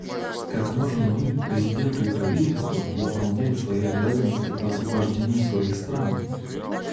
Как можем мы, президенты и правительства, выполнять свои обязанности по освобождению своих стран?